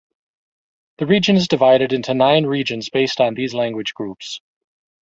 The region is divided into nine regions based on these language groups.